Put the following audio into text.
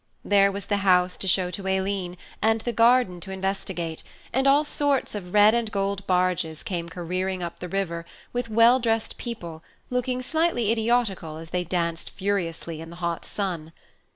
There was the house to show to Aileen, and the garden to investigate, and all sorts of red and gold barges came careering up the river, with well dressed people, looking slightly idiotical as they danced furiously in the hot sun.